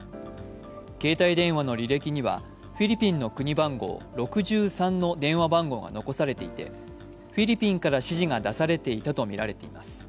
携帯電話の履歴にはフィリピンの国番号６３の電話番号が残されていてフィリピンから指示が出されていたとみられています。